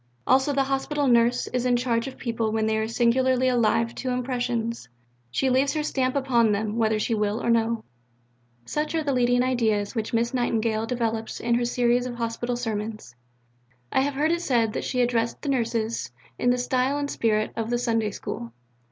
Also the hospital nurse is in charge of people when they are singularly alive to impressions. She leaves her stamp upon them whether she will or no." For the dates of these Addresses, see Bibliography A, No. 63. Such are the leading ideas which Miss Nightingale develops in her series of Hospital Sermons. I have heard it said that she addressed the Nurses in the style and spirit of the Sunday School.